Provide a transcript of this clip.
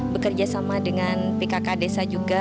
bekerja sama dengan pkk desa juga